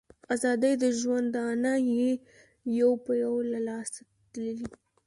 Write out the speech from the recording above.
آزادۍ د ژوندانه یې یو په یو له لاسه تللي